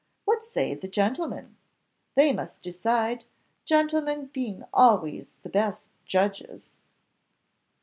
What say the gentlemen? they must decide, gentlemen being always the best judges."